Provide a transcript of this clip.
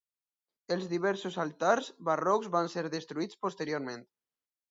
Els diversos altars barrocs van ser destruïts posteriorment.